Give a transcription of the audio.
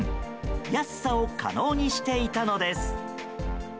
安さを可能にしていたのです。